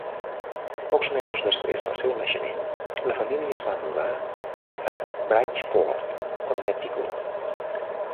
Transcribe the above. Pocs mesos després del seu naixement, la família es va mudar a Bridgeport, Connecticut.